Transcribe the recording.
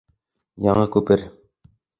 ЯҢЫ КҮПЕР